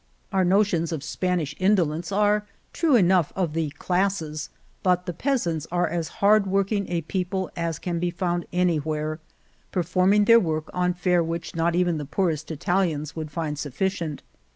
Our 32 Argamasilla notions of Spanish indolence are true enough of the classes," but the peasants are as hard working a people as can be found any where, performing their work on fare which not even the poorest Italians would find sufficient.